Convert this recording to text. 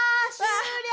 終了！